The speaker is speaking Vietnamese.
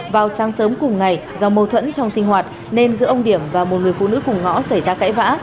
vào sáng sớm cùng ngày do mâu thuẫn trong sinh hoạt nên giữa ông điểm và một người phụ nữ cùng ngõ xảy ra cãi vã